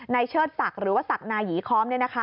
นายเชิดสักหรือสักนายีคอมเนี่ยนะคะ